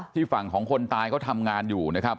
ฝั่งของคนตายเขาทำงานอยู่นะครับ